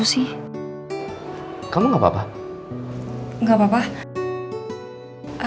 mbak tolong jauh dari pintu ya saya mau coba dobrang